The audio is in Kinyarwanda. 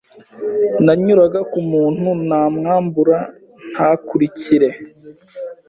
nanyuraga ku muntu namwambura ntakurikire